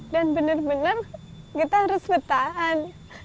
dan benar benar kita harus bertahan